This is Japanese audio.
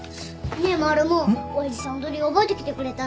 ねえマルモ親父さん踊り覚えてきてくれたんだよ。